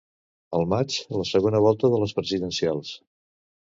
Al maig, la segona volta de les presidencials.